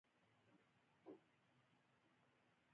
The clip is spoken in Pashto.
رسۍ که ښه وکارېږي، کامیابي راوړي.